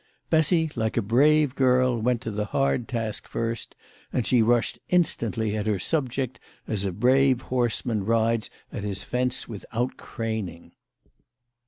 Bessy, like a brave girl, went to the hard task first, and she rushed instantly at her subject, as a brave horseman rides at his fence without craning.